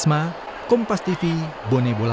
suasana haru dan tangis pun tak berbeda